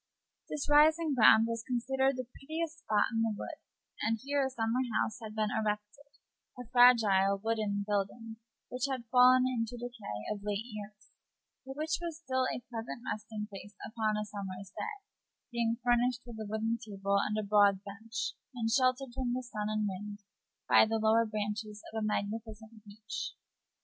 The rising ground was considered the prettiest spot in the wood, and here a summer house had been erected a fragile wooden building, which had fallen into decay of late years, but which was still a pleasant resting place upon a summer's day, being furnished with a wooden table and a broad bench, and sheltered from the sun and wind by the lower branches of a magnificent beech.